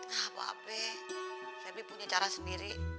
gak apa be sylvia punya cara sendiri